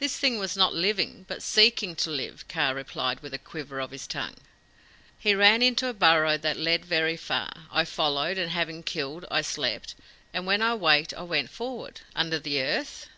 "This thing was not living, but seeking to live," Kaa replied, with a quiver of his tongue. "He ran into a burrow that led very far. I followed, and having killed, I slept. When I waked I went forward." "Under the earth?"